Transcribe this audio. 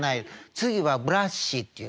次はブラッシーっていうの」。